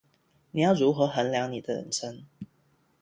你要如何衡量你的人生